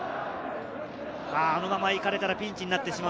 あのままいかれたらピンチになってしまう。